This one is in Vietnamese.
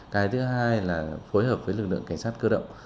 cái thứ hai là phối hợp với lực lượng cảnh sát cơ động